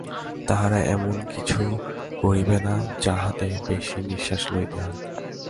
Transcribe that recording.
তাহারা এমন কিছু করিবে না, যাহাতে বেশী নিঃশ্বাস লইতে হয়।